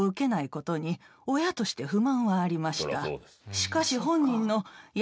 しかし。